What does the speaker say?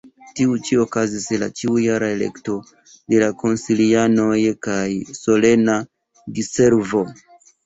Tie ĉi okazis la ĉiujara elekto de la konsilianoj kaj solena diservo.